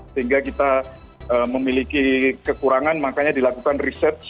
sehingga kita memiliki kekurangan makanya dilakukan research